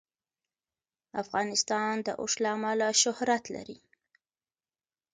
افغانستان د اوښ له امله شهرت لري.